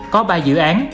có ba dự án